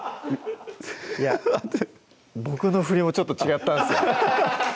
いや僕の振りもちょっと違ったんすよ